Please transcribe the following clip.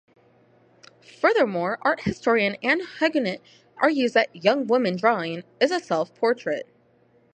Furthermore, art historian Anne Higonnet argues that "Young Woman Drawing" is a self-portrait.